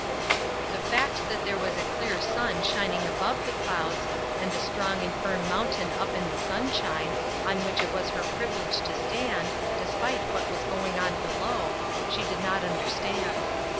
The fact that there was a clear sun shining above the clouds, and a strong and firm mountain up in the sunshine, on which it was her privilege to stand, despite what was going on below, she did not understand.